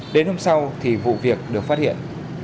đến hôm sau thì vụ việc được phát hiện